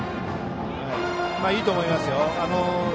いいと思いますよ。